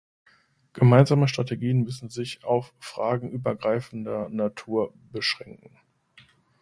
Gemeinsame Strategien müssen sich auf Fragen übergreifender Natur beschränken.